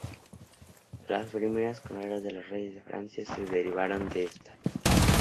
Las primeras coronas de los reyes de Francia se derivaron de estas.